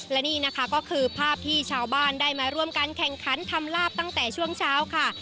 และนี่นะคะก็คือภาพที่ชาวบ้านได้มาร่วมการแข่งขันทำลาบตั้งแต่ช่วงเช้าค่ะ